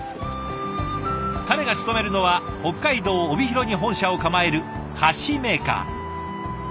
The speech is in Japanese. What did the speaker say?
彼が勤めるのは北海道帯広に本社を構える菓子メーカー。